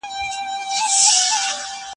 لا زیواله مستي پټه